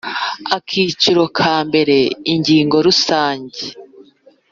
Akiciro ka mbere Ingingo Rusange